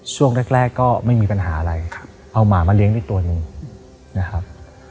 ช่วงแรกก็ไม่มีปัญหาอะไรเอาหมามาเลี้ยงได้ตัวหนึ่งนะครับ